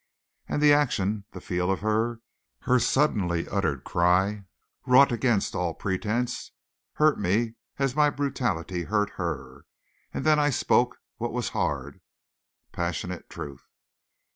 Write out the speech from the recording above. And the action, the feel of her, her suddenly uttered cry wrought against all pretense, hurt me as my brutality hurt her, and then I spoke what was hard, passionate truth.